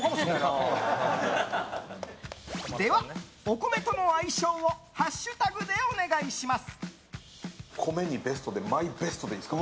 では、お米との相性をハッシュタグでお願いします。